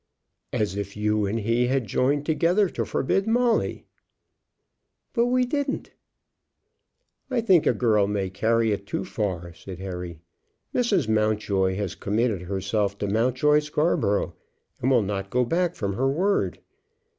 "As if you and he had joined together to forbid Molly." "But we didn't." "I think a girl may carry it too far," said Harry. "Mrs. Mountjoy has committed herself to Mountjoy Scarborough, and will not go back from her word.